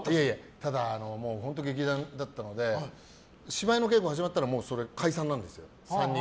ただ、本当に劇団だったので芝居の稽古が始まったらもうそれ解散なんですよ。